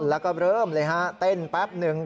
แล้วก็เริ่มเลยฮะเต้นแป๊บหนึ่ง